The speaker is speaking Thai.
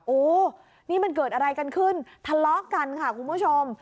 โอ้นี่มันเกิดอะไรกันขึ้นทะเลาะกันค่ะคุณผู้ชม